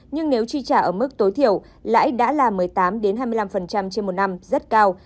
nhưng nếu chi trả ở mức tối thiểu lãi đã là một mươi tám hai mươi năm trên một năm rất cao